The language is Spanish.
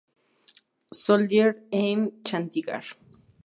Soldier en Chandigarh.